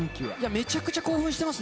めちゃくちゃ興奮してます。